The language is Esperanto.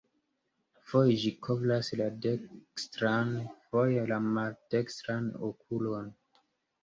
Foje ĝi kovras la dekstran, foje la maldekstran okulon.